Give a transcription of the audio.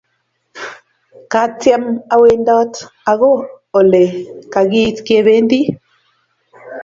ka tyem a wendat ako ole kaki it kebendi